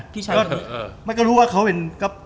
พี่รู้ว่าเขาเป็น